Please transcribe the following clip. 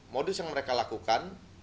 modus yang mereka lakukan